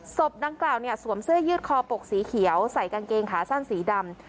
ศพดังกล่าวเนี่ยสวมเสื้อยืดคอปกสีเขียวใส่กางเกงขาสั้นสีดำ